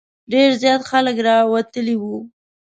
ډېر زیات خلک راوتلي وو.